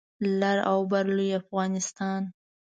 لر او بر لوی افغانستان